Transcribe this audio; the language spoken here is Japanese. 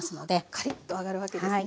カリッと揚がるわけですね。